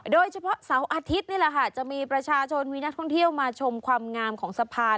เสาร์อาทิตย์นี่แหละค่ะจะมีประชาชนมีนักท่องเที่ยวมาชมความงามของสะพาน